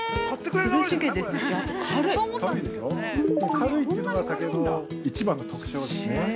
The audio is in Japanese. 軽いというのが竹の一番の特徴ですね。